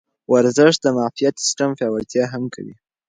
ورزش د معافیت سیستم پیاوړتیا هم کوي.